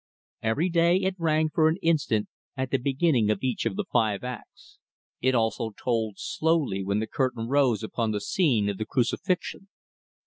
Every day it rang for an instant at the beginning of each of the five acts. It also tolled slowly when the curtain rose upon the scene of the Crucifixion.